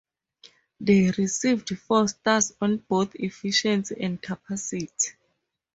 They received four stars on both efficiency and capacity.